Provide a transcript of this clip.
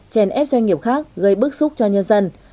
chèn ép doanh nghiệp khác gây bức xúc cho nhân dân